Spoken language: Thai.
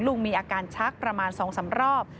ลุงมีอาการชักประมาณ๒๓รอบ